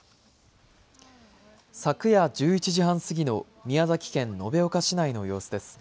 昨夜１１時半過ぎの宮崎県延岡市内の様子です。